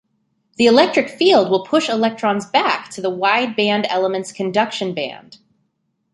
The electric field will push electrons back to the wide band element's conduction band.